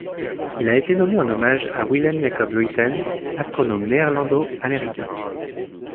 Il a été nommé en hommage à Willem Jacob Luyten, astronome néerlando-américain.